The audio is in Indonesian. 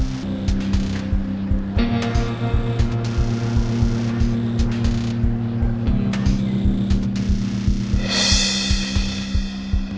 kita pindah ke rumah terus ke rumah